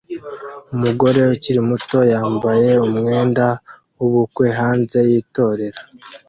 Umugore ukiri muto yambaye umwenda wubukwe hanze yitorero